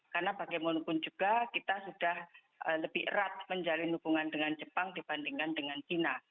karena bagaimanapun juga kita sudah lebih erat menjalin hubungan dengan jepang dibandingkan dengan china